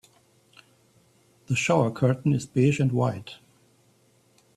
The shower curtain is beige and white.